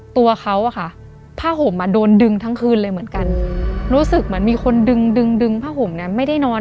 ตัวเขาอะค่ะผ้าห่มอ่ะโดนดึงทั้งคืนเลยเหมือนกันรู้สึกเหมือนมีคนดึงดึงผ้าห่มเนี่ยไม่ได้นอน